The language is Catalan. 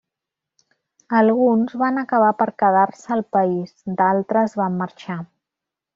Alguns van acabar per quedar-se al país, d'altres van marxar.